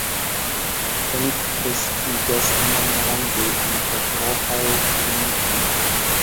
Oni kreskigas nombron de lipotropaj elementoj.